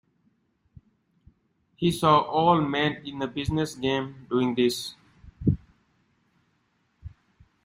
He saw all men in the business game doing this.